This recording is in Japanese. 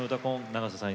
永瀬さん